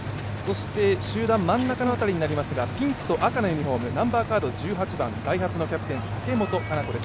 集団真ん中の辺りになりますが、ピンクと赤のユニフォーム１８番、ダイハツのキャプテン竹本香奈子です。